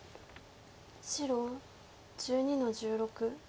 白１２の十六。